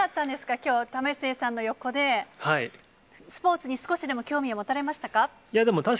きょう、為末さんの横で、スポーツに少しでも興味を持たれましたか？